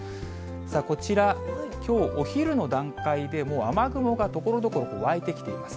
こちら、きょうお昼の段階で、もう雨雲がところどころ、湧いてきています。